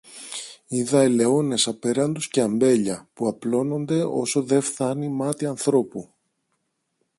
είδα ελαιώνες απέραντους και αμπέλια, που απλώνονται όσο δε φθάνει μάτι ανθρώπου.